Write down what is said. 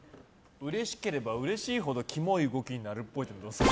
うれしければうれしいほどキモい動きになるっぽい。